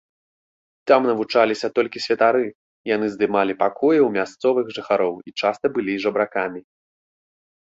Там навучаліся толькі святары, яны здымалі пакоі ў мясцовых жыхароў і часта былі жабракамі.